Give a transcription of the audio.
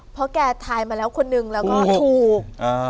เพราะแกทายมาแล้วคนนึงแล้วก็ถูก